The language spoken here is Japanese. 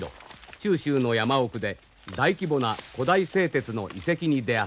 忠州の山奥で大規模な古代製鉄の遺跡に出会った。